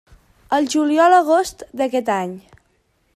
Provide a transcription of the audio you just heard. Al juliol-agost d'aquest any.